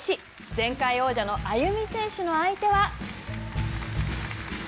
前回王者のＡＹＵＭＩ選手の相手は。